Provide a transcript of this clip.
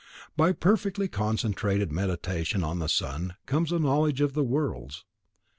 By perfectly concentrated Meditation on the sun comes a knowledge of the worlds.